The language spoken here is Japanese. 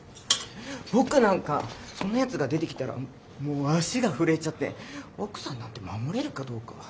僕なんかそんなやつが出てきたらもう足が震えちゃって奥さんなんて守れるかどうか。